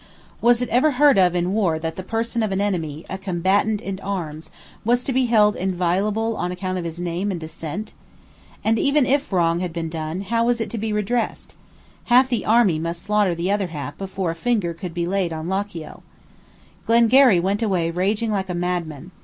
Was it ever heard of in war that the person of an enemy, a combatant in arms, was to be held inviolable on account of his name and descent? And, even if wrong had been done, how was it to be redressed? Half the army must slaughter the other half before a finger could be laid on Lochiel. Glengarry went away raging like a madman.